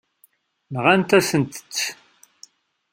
Nɣant-asent-tt.